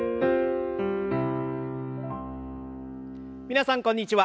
皆さんこんにちは。